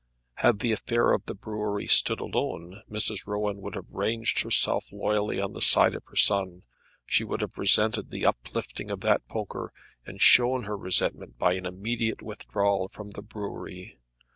Had the affair of the brewery stood alone, Mrs. Rowan would have ranged herself loyally on the side of her son. She would have resented the uplifting of that poker, and shown her resentment by an immediate withdrawal from the brewery.